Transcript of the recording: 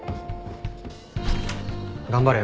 頑張れよ。